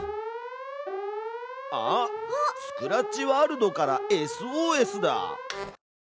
スクラッチワールドからＳＯＳだ！